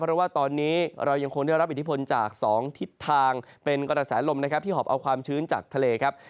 เพราะว่าตอนนี้เรายังคงได้รับอิทธิพลจาก๒ทิศทางเป็นกระแสลมนะครับที่หอบเอาความชื้นจากทะเลครับ